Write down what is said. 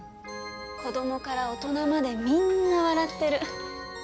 子どもから大人までみんな笑ってる。